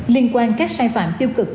liên quan các sai phạm tiêu cực